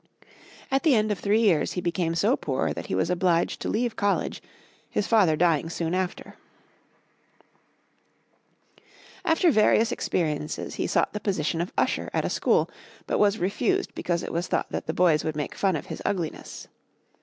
At the end of three years he became so poor that he was obliged to leave college, his father dying soon after. After various experiences, he sought the position of usher at a school, but was refused because it was thought that the boys would make fun of his ugliness.